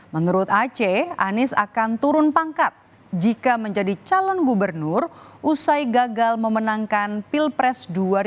menurut aceh anies akan turun pangkat jika menjadi calon gubernur usai gagal memenangkan pilpres dua ribu dua puluh